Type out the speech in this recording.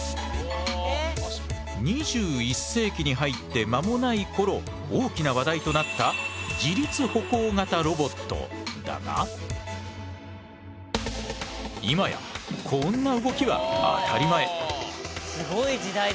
２１世紀に入って間もない頃大きな話題となった今やこんな動きは当たり前。